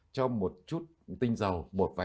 cho một chút tinh dầu